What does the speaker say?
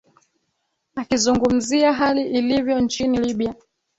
akizungumzia hali ilivyo nchini libya